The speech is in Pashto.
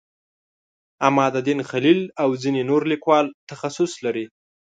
عمادالدین خلیل او ځینې نور لیکوال تخصص لري.